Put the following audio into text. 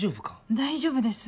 大丈夫です。